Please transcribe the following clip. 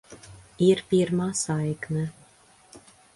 Ir pirmā saikne.